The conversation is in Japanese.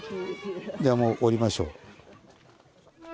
じゃもう下りましょう。